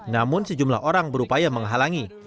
namun sejumlah orang berupaya menghalangi